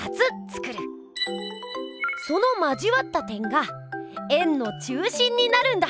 その交わった点が円の中心になるんだ。